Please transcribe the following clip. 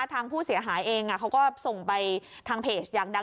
ทางผู้เสียหายเองเขาก็ส่งไปทางเพจอยากดัง